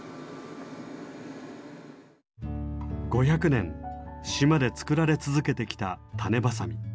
５００年島で作られ続けてきた種子鋏。